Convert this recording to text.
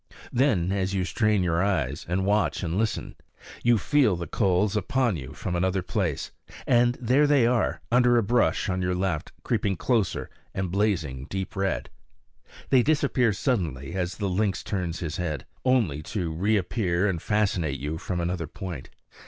Then as you strain your eyes, and watch and listen, you feel the coals upon you again from another place; and there they are, under a bush on your left, creeping closer and blazing deep red. They disappear suddenly as the lynx turns his head, only to reappear and fascinate you from another point.